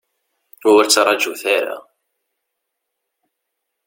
Ur ttraǧut ara.